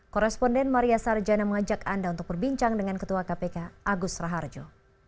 koresponden maria sarjana mengajak anda untuk berbincang dengan ketua kpk agus raharjo